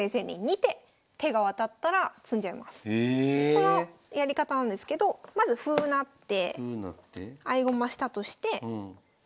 そのやり方なんですけどまず歩成って合駒したとしてこれで取って。